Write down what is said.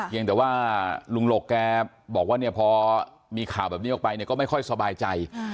ยังแต่ว่าลุงหลกแกบอกว่าเนี่ยพอมีข่าวแบบนี้ออกไปเนี่ยก็ไม่ค่อยสบายใจ